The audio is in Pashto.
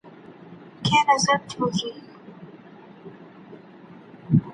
د کتاب په څنډو کي لیکل د لوستونکي پام ښیي.